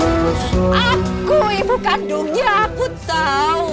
aku ibu kandungnya aku tahu